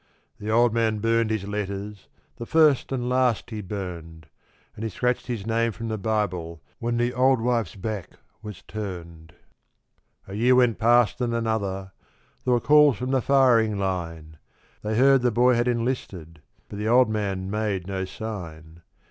The old man burned his letters, the first and last he burned, And he scratched his name from the Bible when the old wife's back was turned. A year went past and another. There were calls from the firing line; They heard the boy had enlisted, but the old man made no sign.